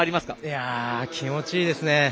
いや、気持ちいいですね！